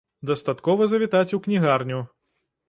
Дастаткова завітаць у кнігарню.